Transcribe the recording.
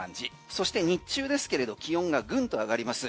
そして日中ですけれど気温がぐんと上がります。